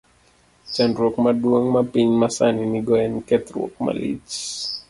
Chandruok maduong ' ma piny masani nigo en kethruok malich.